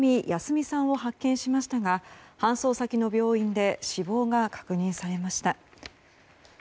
己さんを発見しましたが搬送先の病院で死亡が確認されました。